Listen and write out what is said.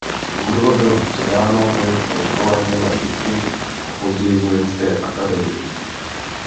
Budova byla předána Vojenské škole Jana Žižky a později vojenské akademii.